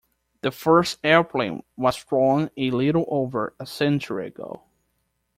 The first airplane was flown a little over a century ago.